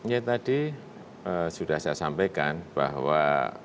ya tadi sudah saya sampaikan bahwa